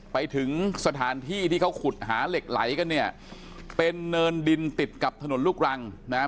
ไปถึงสถานที่ที่เขาขุดหาเหล็กไหลกันเนี่ยเป็นเนินดินติดกับถนนลูกรังนะฮะ